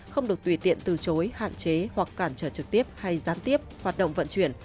không được tùy tiện từ chối hạn chế hoặc cản trở trực tiếp hay gián tiếp hoạt động vận chuyển